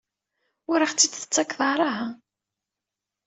Ur aɣ-tt-id-tettakeḍ ara?